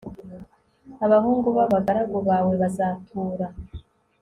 abahungu b'abagaragu bawe bazatura